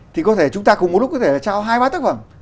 thì có thể chúng ta cùng một lúc có thể trao hai ba tác phẩm